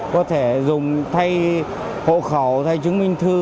có thể dùng thay hộ khẩu thay chứng minh thư